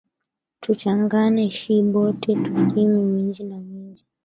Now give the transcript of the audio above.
Tu changane shi bote, tu rime minji ya mingi